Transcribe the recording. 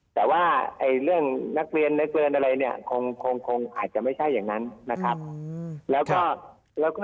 แต่ว่เรื่องนักเรียนน้กเกรนล์อาจจะไม่ใช่แบบนั้นนะครับ